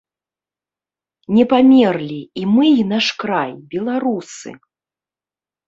Не памерлі, і мы і наш край, беларусы!